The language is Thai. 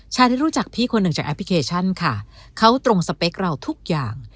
ที่รู้จักพี่คนหนึ่งจากแอปพลิเคชันค่ะเขาตรงสเปคเราทุกอย่าง